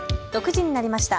６時になりました。